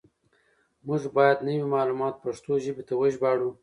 موږ بايد نوي معلومات پښتو ژبې ته وژباړو.